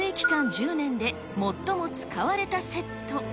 １０年で最も使われたセット。